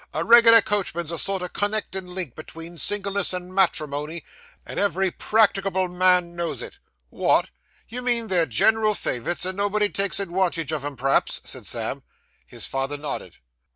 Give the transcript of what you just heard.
A reg'lar coachman's a sort o' con nectin' link betwixt singleness and matrimony, and every practicable man knows it.' 'Wot! You mean, they're gen'ral favorites, and nobody takes adwantage on 'em, p'raps?' said Sam. His father nodded.